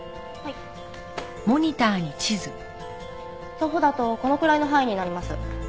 徒歩だとこのくらいの範囲になります。